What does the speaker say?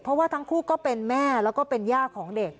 เพราะว่าทั้งคู่ก็เป็นแม่แล้วก็เป็นย่าของเด็ก